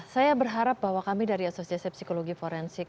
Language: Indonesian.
saya berharap bahwa kami dari asosiasi psikologi forensik